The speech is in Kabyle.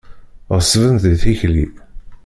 Ɣeṣbent di tikli.